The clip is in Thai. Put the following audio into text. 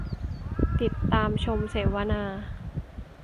ติดตามชมเสวนา